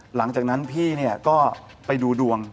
หลังจากนั้นพี่ก็ไปดูดวง